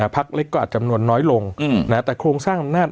พักเล็กก็อาจจำนวนน้อยลงแต่โครงสร้างอำนาจ